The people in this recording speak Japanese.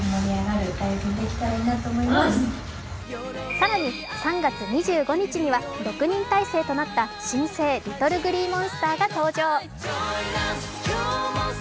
更に３月２５日には６人体制となった新生ＬｉｔｔｌｅＧｌｅｅＭｏｎｓｔｅｒが登場。